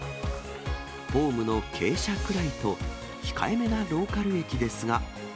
ホームの傾斜くらいと、控えめなローカル駅ですが。